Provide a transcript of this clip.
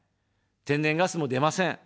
天然ガスも出ません。